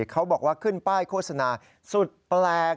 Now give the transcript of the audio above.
เขาบอกว่าขึ้นป้ายโฆษณาสุดแปลก